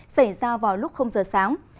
xảy ra vào lúc giờ sáng